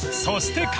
［そして］